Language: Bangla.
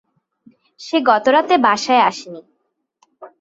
সে গতরাতে বাসায় আসেনি।